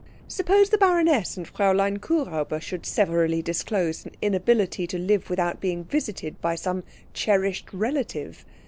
Suppose the baroness and Fräulein Kuhräuber should severally disclose an inability to live without being visited by some cherished relative?